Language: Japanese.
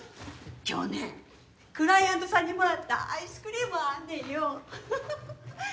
今日ねクライアントさんにもらったアイスクリームあんねんよはははっ。